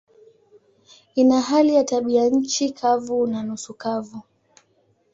Ina hali ya tabianchi kavu na nusu kavu.